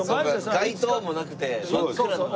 街灯もなくて真っ暗の中。